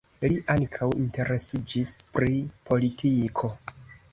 Li ankaŭ interesiĝis pri politiko.